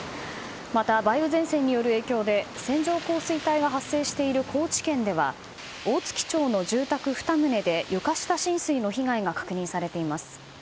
また、梅雨前線による影響で線上降水帯が発生している高知県では、大月町の住宅２棟で床下浸水の被害が確認されています。